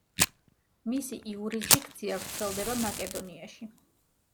მისი იურისდიქცია ვრცელდება მაკედონიაში.